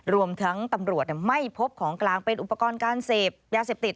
รวมทั้งตำรวจไม่พบของกลางเป็นอุปกรณ์การเสพยาเสพติด